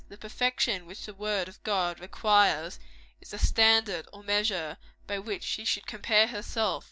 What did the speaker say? The perfection which the word of God requires, is the standard or measure by which she should compare herself.